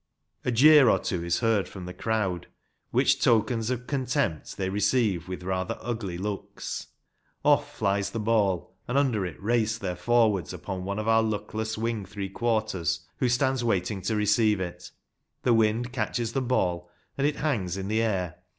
A jeer or two is heard from the crowd, which tokens of contempt they receive with rather ugly looks. Off flies the ball, and under it race their forwards upon one of our luckless wing 212 RUGBY FOOTBALL. three quarters, who stands waiting to receive it. The wind catches the ball, and it hangs in the air.